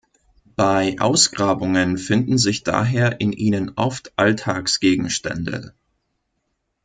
Bei Ausgrabungen finden sich daher in ihnen oft Alltagsgegenstände.